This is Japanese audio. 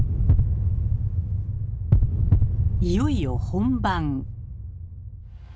いよいよ本番。